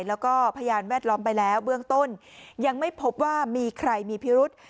แล้วก็พยานแวดล้อมไปแล้วเบื้องต้นยังไม่พบว่ามีใครมีพิรุษ